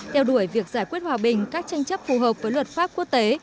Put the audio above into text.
theo đuổi việc giải quyết hòa bình các tranh chấp phù hợp với luật pháp quốc tế